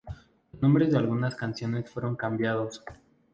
Los nombres de algunas canciones fueron cambiados.